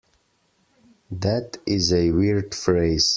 That is a weird phrase.